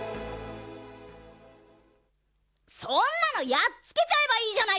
そんなのやっつけちゃえばいいじゃないか！